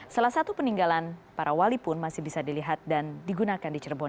salah satu peninggalan para wali pun masih bisa dilihat dan digunakan di cirebon